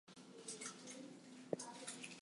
It has since been relocated to Sloss Furnaces.